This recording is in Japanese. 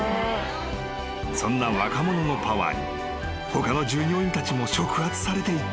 ［そんな若者のパワーに他の従業員たちも触発されていった］